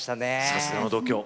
さすがの度胸。